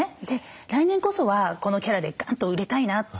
来年こそはこのキャラでガンと売れたいなって。